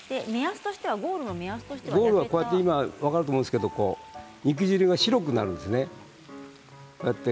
分かると思うんですが肉汁が白くなるんですね。